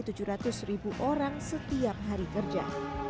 berguna tabek lebih dari tujuh ratus ribu orang setiap hari kerja